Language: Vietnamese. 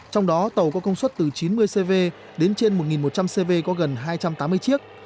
trong đó tàu có công suất từ chín mươi cv đến trên một một trăm linh cv có gần hai trăm tám mươi chiếc